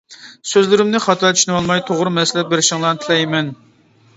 سۆزلىرىمنى خاتا چۈشىنىۋالماي توغرا مەسلىھەت بېرىشىڭلارنى تىلەيمەن.